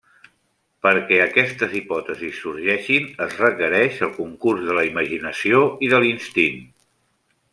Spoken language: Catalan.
Perquè aquestes hipòtesis sorgeixin es requereix el concurs de la imaginació i de l'instint.